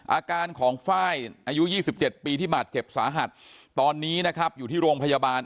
อาการของไฟล์อายุ๒๗ปีที่บาดเจ็บสาหัสตอนนี้นะครับอยู่ที่โรงพยาบาล